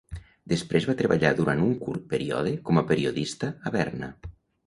Després va treballar durant un curt període com a periodista a Berna.